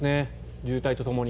渋滞とともに。